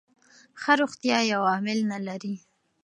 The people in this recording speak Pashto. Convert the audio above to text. ښه روغتیا یو عامل نه لري.